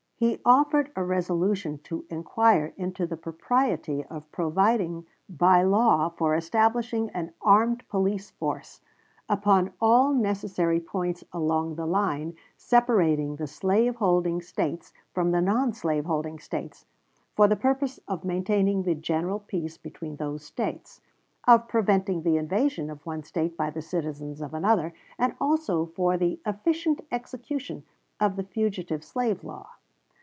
He offered a resolution to inquire into the propriety of providing by law for establishing an armed police force, upon all necessary points along the line separating the slave holding States from the non slave holding States, for the purpose of maintaining the general peace between those States; of preventing the invasion of one State by the citizens of another, and also for the efficient execution of the fugitive slave law.